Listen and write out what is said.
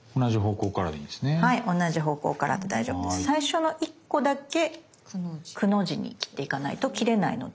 最初の１個だけ「く」の字に切っていかないと切れないので。